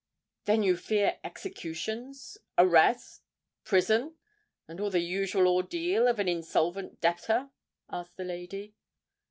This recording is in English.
"Then you fear executions—arrest—prison—and all the usual ordeal of an insolvent debtor?" asked the lady.